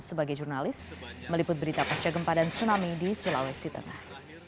sebagai jurnalis meliput berita pasca gempa dan tsunami di sulawesi tengah